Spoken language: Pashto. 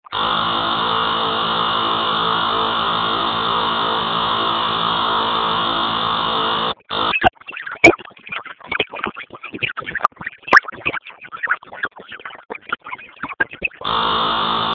خپګان او اضطراب هم ورسره تړاو لري.